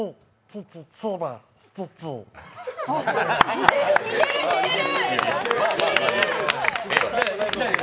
似てる似てる！